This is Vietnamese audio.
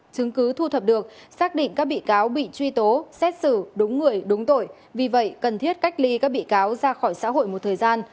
các bị cáo bị truy tố xét xử đúng người đúng tội vì vậy cần thiết cách ly các bị cáo ra khỏi xã hội một thời gian